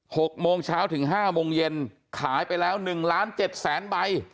หกโมงเช้าถึงห้าโมงเย็นขายไปแล้วหนึ่งล้านเจ็ดแสนใบ